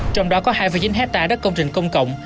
trong đó có hai chín hectare đất công trình công cộng